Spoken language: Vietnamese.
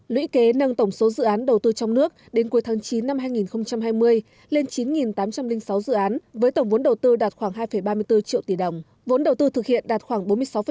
lũy kế nâng tổng số dự án đầu tư trong nước đến cuối tháng chín năm hai nghìn hai mươi lên chín tám trăm linh sáu dự án với tổng vốn đầu tư đạt khoảng hai ba mươi bốn triệu tỷ đồng vốn đầu tư thực hiện đạt khoảng bốn mươi sáu